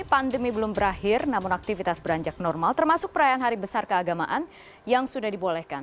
pandemi belum berakhir namun aktivitas beranjak normal termasuk perayaan hari besar keagamaan yang sudah dibolehkan